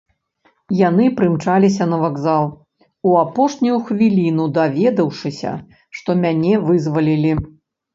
Яны прымчаліся на вакзал, у апошнюю хвіліну даведаўшыся, што мяне вызвалілі.